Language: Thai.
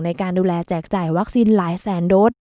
ในการดูแลแจกจ่ายวัคซีนหลายแสนโดส